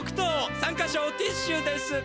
参加賞ティッシュです。